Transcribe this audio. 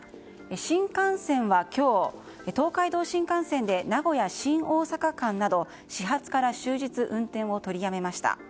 新幹線は今日、東海道新幹線で名古屋新大阪間など始発から終日運転を取りやめました。